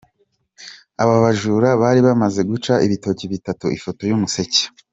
Abo bajura bari bamaze guca ibitoke bitatu: Ifoto y’ Umuseke.